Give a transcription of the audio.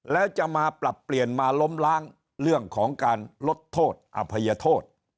แล้วจะมาปรับเปลี่ยนมาล้มล้างเรื่องของการลดโทษอภัยโทษ